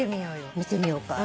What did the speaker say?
見てみようか。